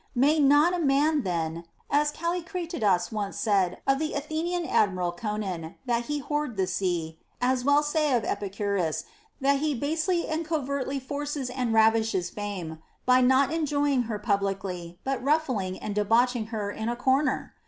May not a man then — as Callicratidas once said of the Athenian admiral Conon, that he whored the sea — as well say of Epicurus that he basely and covertly forces and ravishes Fame, by not enjoying her publicly but ruf fling and debauching her in a corner